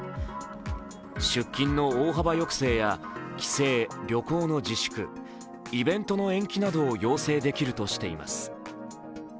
出勤の大幅抑制や帰省・旅行の自粛イベントの延期などを要請できるとしています。